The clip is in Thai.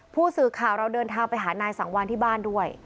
ผู้สื่อข่าวเราเดินทางไปหานายสังวานที่บ้านด้วย